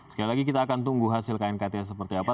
sekali lagi kita akan tunggu hasil knkt seperti apa